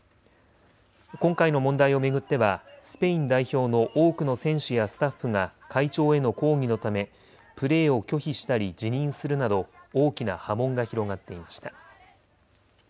今回の問題を巡ってはスペイン代表の多くの選手やスタッフが会長への抗議のためプレーを拒否したり辞任するなど大きな波紋が広がっていました。